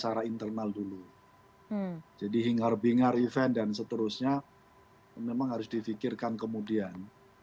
secara internal dulu jadi hingar bingar event dan seterusnya memang harus difikirkan kemudian